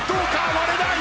割れない！